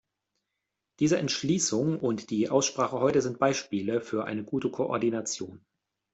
Diese Entschließung und die Aussprache heute sind Beispiele für eine gute Koordination.